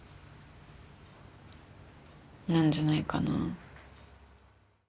なんじゃないかな。